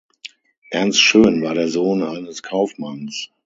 Ernst Schön war der Sohn eines Kaufmanns.